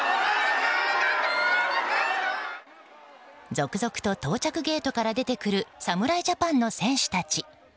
続々と到着ゲートから出てくる侍ジャパンの選手たち。